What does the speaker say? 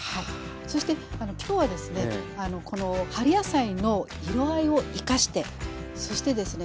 そして今日はですねこの春野菜の色合いを生かしてそしてですね